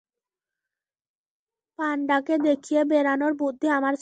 পান্ডাকে দেখিয়ে বেড়ানোর বুদ্ধি আমার ছিল।